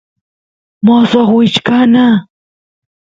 mosoq wichkana